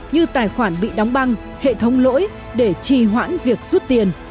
như tài khoản bị đóng băng hệ thống lỗi để trì hoãn việc rút tiền